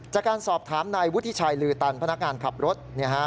จากการสอบถามนายวุฒิชัยลือตันพนักงานขับรถ